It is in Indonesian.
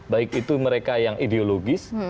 baik itu mereka yang ideologis